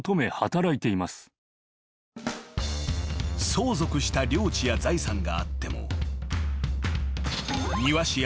［相続した領地や財産があっても］